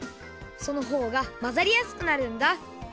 そのほうがまざりやすくなるんだ。